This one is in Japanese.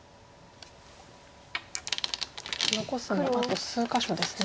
残すもあと数か所ですね。